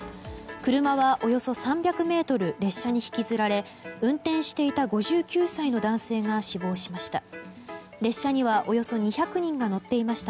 車はおよそ３００ｍ列車に引きずられ運転していた５９歳の男性が死亡しました。